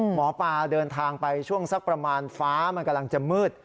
หมอปลาเดินทางไปช่วงสักประมาณฟ้ามันกำลังจะมืด